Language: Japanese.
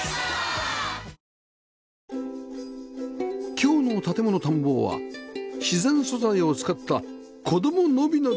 今日の『建もの探訪』は自然素材を使った子供のびのび